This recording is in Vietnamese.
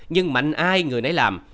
nhưng mạnh ai người nấy làm